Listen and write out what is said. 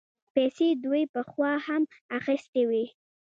پيسې دوی پخوا هم اخيستې وې.